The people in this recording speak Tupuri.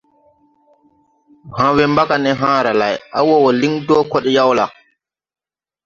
Ha̧ we mbaga ne haara lay, à wɔɔ wɔ liŋ dɔɔ kɔɗ yaw la?